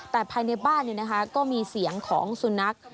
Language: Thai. แต่ภายในบ้านก็มีเสียงของสุนัข